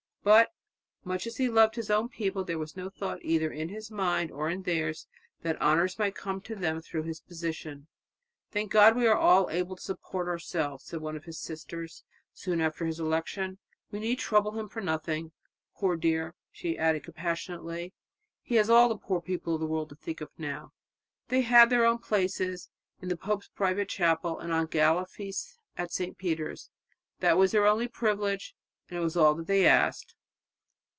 But much as he loved his own people there was no thought either in his mind or in theirs that honours might come to them through his position. "Thank God, we are all able to support ourselves," said one of his sisters soon after his election, "we need trouble him for nothing. Poor dear," she added compassionately, "he has all the poor people in the world to think of now." They had their own places in the pope's private chapel, and on gala days at St. Peter's. That was their only privilege, and it was all that they asked.